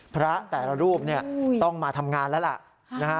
พระแต่ละรูปต้องมาทำงานแล้วล่ะนะฮะ